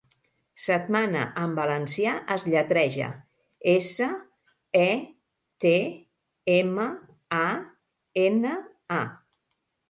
'Setmana' en valencià es lletreja: esse, e, te, eme, a, ene, a.